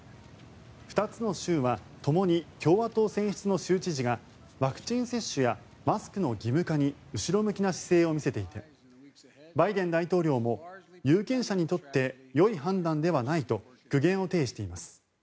２つの州はともに共和党選出の州知事がワクチン接種やマスクの義務化に後ろ向きな姿勢を見せていてバイデン大統領も有権者にとってよい判断ではないと苦言を呈しています。